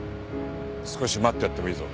少し待ってやってもいいぞ。